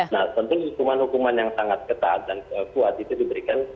nah tentu hukuman hukuman yang sangat ketat dan kuat itu diberikan